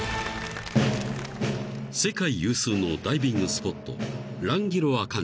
［世界有数のダイビングスポット］